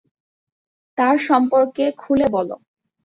তার সম্পর্কে খোলে বলো।